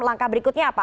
langkah berikutnya apa